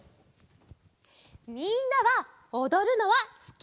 みんなはおどるのはすき？